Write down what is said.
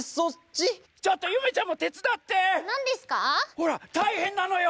ほらたいへんなのよ。